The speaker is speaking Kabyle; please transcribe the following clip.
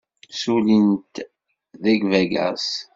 Ssullint deg Vegas.